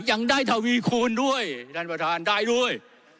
ยังได้ทวีคูณด้วยท่านประธานได้ด้วย